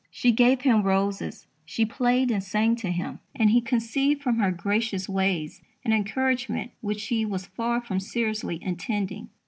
"She gave him roses, she played and sang to him, and he conceived from her gracious ways an encouragement which she was far from seriously intending."